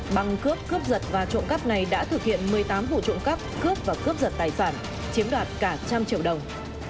băng cướp cướp giật và trộm cắp này đã thực hiện một mươi tám vụ trộm cắp cướp và cướp giật tài sản chiếm đoạt cả trăm triệu đồng